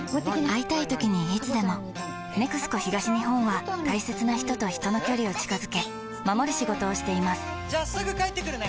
会いたいときにいつでも「ＮＥＸＣＯ東日本」は大切な人と人の距離を近づけ守る仕事をしていますじゃあすぐ帰ってくるね！